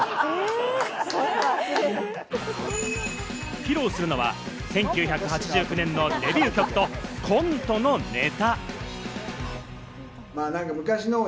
披露するのは１９８９年のデビュー曲とコントのネタ。